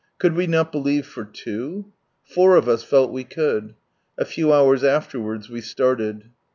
Could we not believe for two ? Four of us felt we could. A few hours afterwards we started.